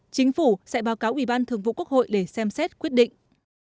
chính phủ sẽ báo cáo ủy ban thường vụ quốc hội để xem xét quyết định